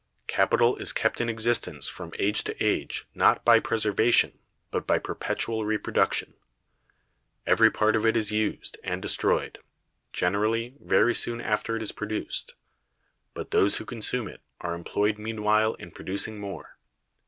Capital is kept in existence from age to age not by preservation, but by perpetual reproduction; every part of it is used and destroyed, generally very soon after it is produced, but those who consume it are employed meanwhile in producing more.